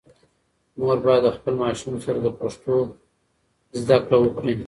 مور باید د خپل ماشوم سره د پښتو زده کړه وکړي.